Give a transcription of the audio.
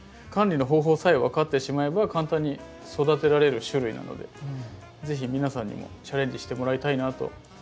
管理の方法さえ分かってしまえば簡単に育てられる種類なので是非皆さんにもチャレンジしてもらいたいなと。